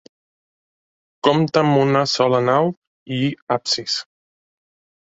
Compte amb una sola nau i absis.